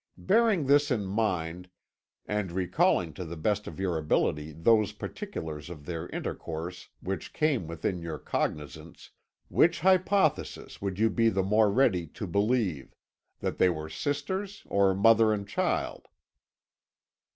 Bearing this in mind, and recalling to the best of your ability those particulars of their intercourse which came within your cognisance, which hypothesis would you be the more ready to believe that they were sisters or mother and child?"